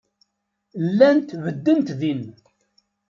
Llant beddent din.